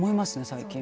最近。